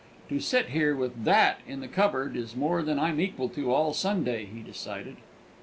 "To sit here with that in the cupboard is more than I'm equal to all Sunday," he decided.